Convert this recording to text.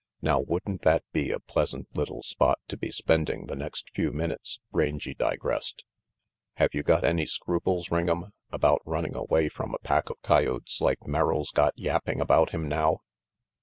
"Now wouldn't that be a pleasant little spot to be spending the next few minutes?" Rangy digressed. "Have you got any scruples, Ring'em, about running away from a pack of coyotes like Merrill's got yapping about him now?"